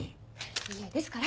いえですから。